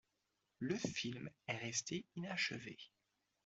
Le film est resté inachevé.